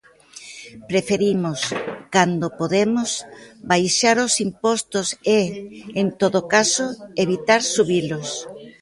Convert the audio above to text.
Preferimos, cando podemos, baixar os impostos e, en todo caso, evitar subilos.